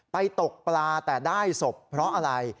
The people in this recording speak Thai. ตกปลาแต่ได้ศพเพราะอะไร